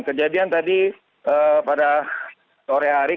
kejadian tadi pada sore hari